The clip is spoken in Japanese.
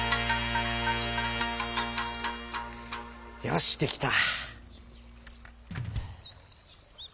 よしできた！